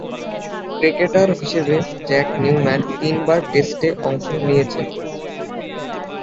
Cricketer হিসেবে Jack Newman তিনবার টেস্টে অংশ নিয়েছেন।